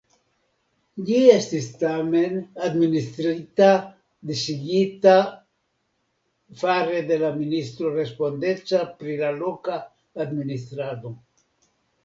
Ĝi estis tamen, administrita disigita fare de la ministro respondeca pri la loka administrado.